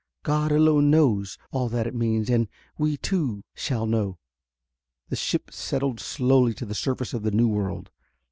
God alone knows all that it means. And we, too, shall know...." The ship settled slowly to the surface of the new world.